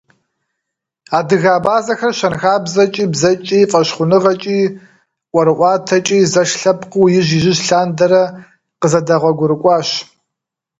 Адыгэ-абазэхэр щэнхабзэкӏи, бзэкӏи, фӏэщхъуныгъэкӏи, ӏуэрыӏуатэкӏи зэш лъэпкъыу ижь-ижьыж лъандэрэ къызэдэгъуэгурыкӏуащ.